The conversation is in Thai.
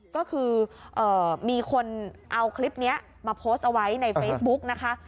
ก็คือมีคนเอาคลิปนี้มาโพสต์เอาไว้ในเฟซบุ๊กนะคะ